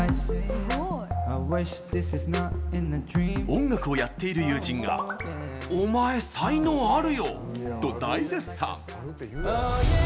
音楽をやっている友人が「お前才能あるよ！」と大絶賛。